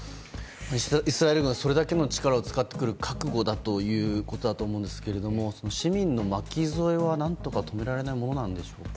イスラエル軍はそれだけの力を使う覚悟だということだと思うんですが、市民の巻き添えは何とか止められないものなんでしょうか。